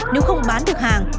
nếu không bán được hàng